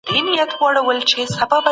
موږ د علتونو په لټه کي وو.